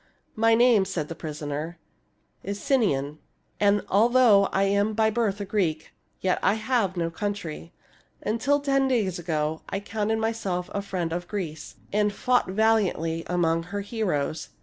My name," said the prisoner, '■' is Sinon, and although I am by birth a Greek, yet I have no country. Until ten days ago I counted myself a friend of Greece, aiid fought valiantly among her heroes.